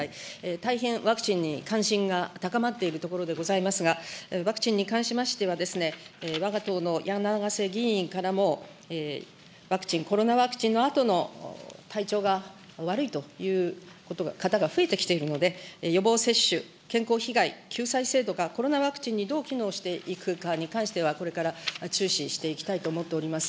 大変ワクチンに関心が高まっているところでございますが、ワクチンに関しましては、わが党のやながせ議員からも、ワクチン、コロナワクチンのあとの体調が悪いということが、方が増えてきているので、予防接種、健康被害救済制度がコロナワクチンにどう機能していくかに関しては、これから注視していきたいと思っております。